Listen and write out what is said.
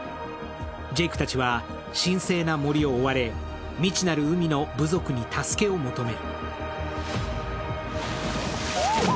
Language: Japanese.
ジェイクたちは神聖な森を追われ未知なる海の部族に助けを求める。